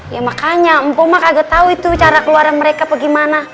ya makanya mpo mah kaget tau itu cara keluaran mereka bagaimana